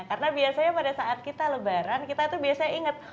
karena biasanya pada saat kita lebaran kita itu biasanya ingat